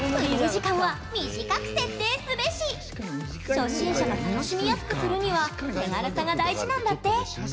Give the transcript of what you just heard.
初心者が楽しみやすくするには手軽さが大事なんだって。